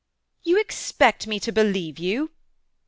"You expect me to believe you?"